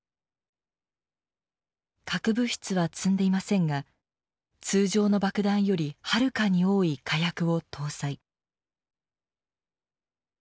核物質は積んでいませんが通常の爆弾よりはるかに多い火薬を搭載。